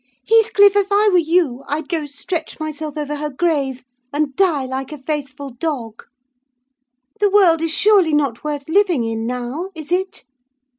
Heathcliff, if I were you, I'd go stretch myself over her grave and die like a faithful dog. The world is surely not worth living in now, is it?